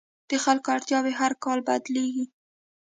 د خلکو اړتیاوې هر کال بدلېږي.